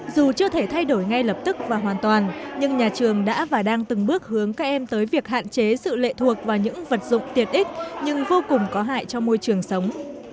dù chưa thể thay đổi ngay lập tức và hoàn toàn nhưng nhà trường đã và đang từng bước hướng các em tới việc hạn chế sự lệ thuộc vào những vật dụng tiệt ích nhưng vô cùng có hại cho môi trường sống